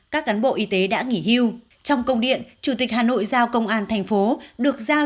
các cán bộ y tế đã nghỉ hưu trong công điện chủ tịch hà nội giao công an thành phố được giao